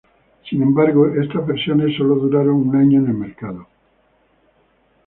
Sin embargo, estas versiones solo duraron un año en el mercado.